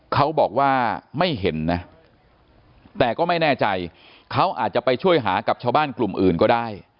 เขาบอกว่าไม่เห็นนะแต่ก็ไม่แน่ใจเขาอาจจะไปช่วยหากับชาวบ้านกลุ่มอื่นก็ได้